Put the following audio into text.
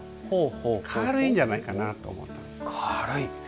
軽いんじゃないかなと思ったんです。